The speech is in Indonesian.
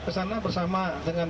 ke sana bersama dengan